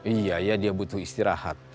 iya dia butuh istirahat